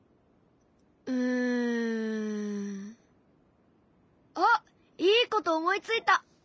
うん。あっいいこと思いついた！